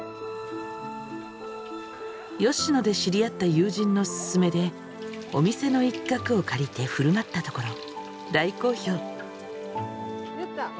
吉野で知り合った友人の勧めでお店の一角を借りて振る舞ったところ大好評。